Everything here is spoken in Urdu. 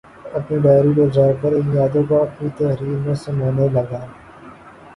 اپنی ڈائری لے جا کر ان یادوں کو اپنی تحریر میں سمونے لگا